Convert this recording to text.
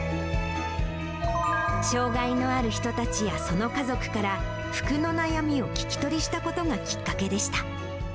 障がいのある人たちやその家族から、服の悩みを聞き取りしたことがきっかけでした。